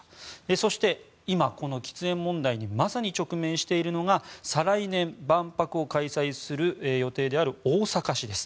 そして、今、この喫煙問題にまさに直面しているのが再来年万博を開催する予定である大阪市です。